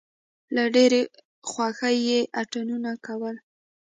له ډېرې خوښۍ یې اتڼونه کول.